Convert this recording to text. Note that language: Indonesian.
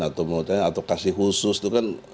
atau kasih khusus itu kan